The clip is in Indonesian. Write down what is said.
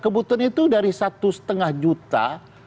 kebutuhan itu dari satu lima juta